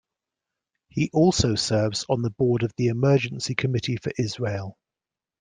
He also serves on the board of the Emergency Committee for Israel.